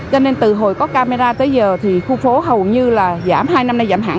cho nên từ hồi có camera tới giờ thì khu phố hầu như là giảm hai năm nay giảm hẳn